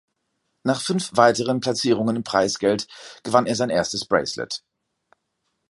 Nach fünf weiteren Platzierungen im Preisgeld gewann er sein erstes Bracelet.